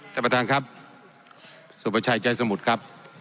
ท่านประธานครับสุประชัยใจสมุทรครับ